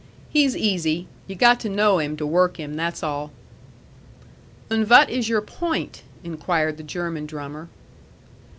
"He's easy. You got to know him to work him. That's all." "Und vat is your point?" inquired the German drummer.